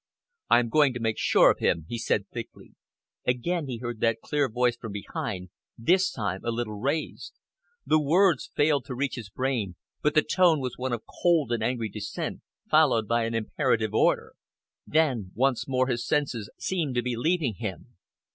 "I am going to make sure of him," he said thickly. Again he heard that clear voice from behind, this time a little raised. The words failed to reach his brain, but the tone was one of cold and angry dissent, followed by an imperative order. Then once more his senses seemed to be leaving him.